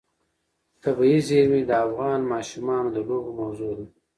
طبیعي زیرمې د افغان ماشومانو د لوبو موضوع ده.